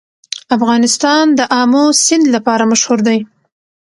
افغانستان د آمو سیند لپاره مشهور دی.